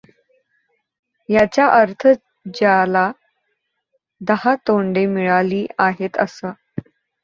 याच्या अर्थ ज्याला दहा तोंडे मिळाली आहेत असा.